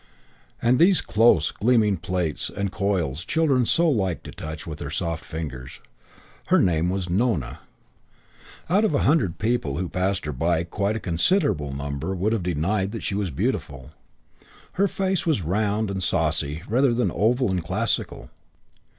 And these close, gleaming plaits and coils children also liked to touch with their soft fingers. Her name was Nona. Out of a hundred people who passed her by quite a considerable number would have denied that she was beautiful. Her face was round and saucy rather than oval and classical.